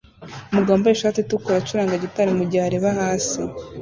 Umugabo wambaye ishati itukura acuranga gitari mugihe areba hasi